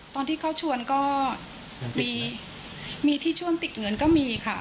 ตอนที่เขาชวนก็มีที่ชวนติดเงินก็มีค่ะ